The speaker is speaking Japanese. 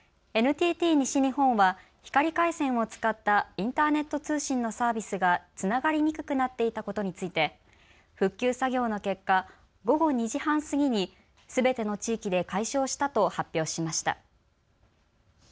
ＮＴＴ西日本は光回線を使ったインターネット通信のサービスがつながりにくくなっていたことについて復旧作業の結果、午後２時半過ぎにすべての地域で解消したと発表しました。